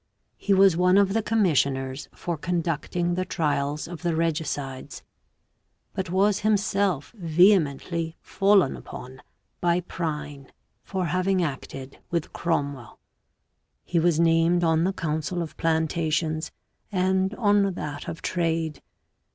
He was one of the commissioners for conducting the trials of the regicides, but was himself vehemently " fallen upon " by Prynne for having acted with Cromwell. He was named on the council of plantations and on that of trade.